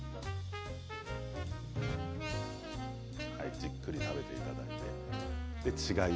じっくり食べていただいて違いを。